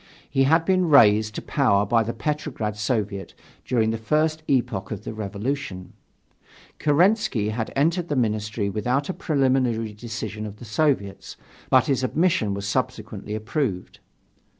He had been raised to power by the Petrograd Soviet during the first epoch of the revolution: Kerensky had entered the Ministry without a preliminary decision of the Soviets, but his admission was subsequently approved.